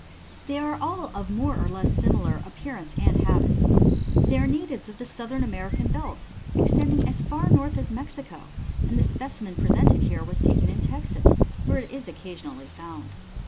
They are all of more or less similar appearance and habits. They are natives of the southern American belt, extending as far north as Mexico, and the specimen presented here was taken in Texas, where it is occasionally found.